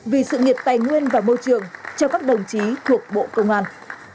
vì sự nghiệp tài nguyên và môi trường cho các đồng chí thuộc bộ công an